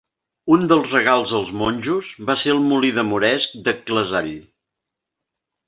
Un dels regals als monjos va ser el molí de moresc d'Ecclesall.